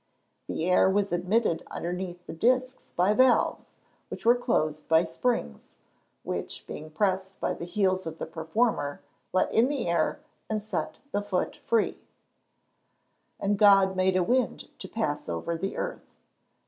The air was admitted underneath the discs by valves, which were closed by springs, which being pressed by the heels of the performer, let in the air, and set the feet free. [Verse: "And God made a wind to pass over the earth."